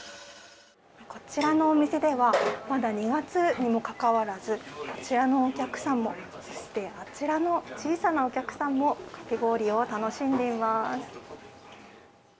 こちらのお店ではまだ２月にもかかわらずこちらのお客さんもそして、あちらの小さなお客さんもかき氷を楽しんでいます。